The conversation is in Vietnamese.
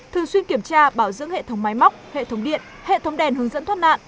thường xuyên kiểm tra bảo dưỡng hệ thống máy móc hệ thống điện hệ thống đèn hướng dẫn thoát nạn